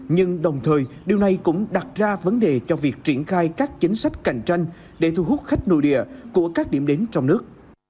nhưng đồng thời điều này cũng đặt ra vấn đề cho việc triển khai các chính sách cạnh tranh để thu hút khách nội địa của các điểm đến trong nước